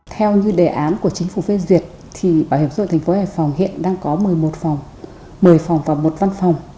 theo như đề án của chính phủ phê duyệt thì bảo hiểm xã hội thành phố hải phòng hiện đang có một mươi một phòng một mươi phòng và một văn phòng